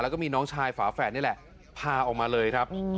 แล้วก็มีน้องชายฝาแฝดนี่แหละพาออกมาเลยครับ